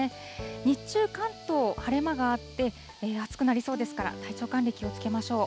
日中、関東、晴れ間があって、暑くなりそうですから、体調管理、気をつけましょう。